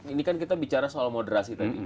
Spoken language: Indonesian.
ini kan kita bicara soal moderasi tadi